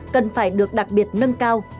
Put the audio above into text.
cần phải được đặc biệt nâng cao